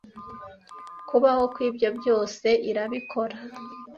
Kubaho kwibyo byose? Irabikora